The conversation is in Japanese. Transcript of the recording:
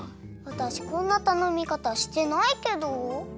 わたしこんなたのみかたしてないけど。